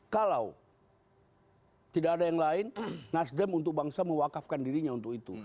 kalau tidak ada yang lain nasdem untuk bangsa mewakafkan dirinya untuk itu